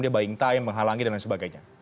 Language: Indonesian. dia buying time menghalangi dan lain sebagainya